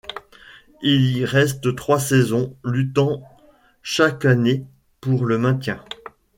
Il y reste trois saisons, luttant chaque année pour le maintien.